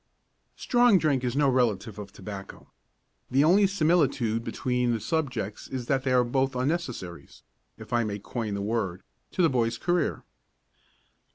Strong drink is no relative of tobacco. The only similitude between the subjects is that they are both unnecessaries, if I may coin the word, to the boy's career.